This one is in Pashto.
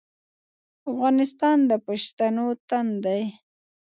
افغانستان د پښتنو تن دی